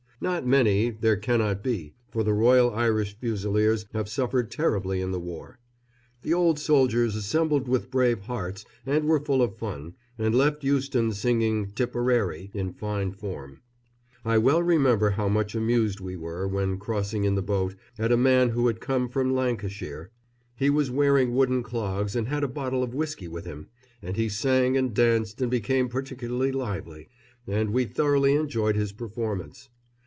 Not many, there cannot be, for the Royal Irish Fusiliers have suffered terribly in the war. The old soldiers assembled with brave hearts and were full of fun, and left Euston singing "Tipperary" in fine form. I well remember how much amused we were, when crossing in the boat, at a man who had come from Lancashire. He was wearing wooden clogs, and had a bottle of whisky with him; and he sang and danced and became particularly lively, and we thoroughly enjoyed his performance.